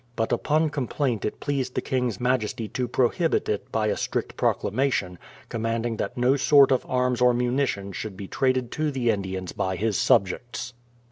But upon complaint it pleased the king's majesty to prohibit it by a strict proclamation, command ing that no sort of arms or munition should be traded to the Indians by his subjects.